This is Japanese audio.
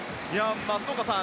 松岡さん